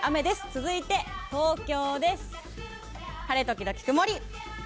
続いて、東京は晴れ時々曇り。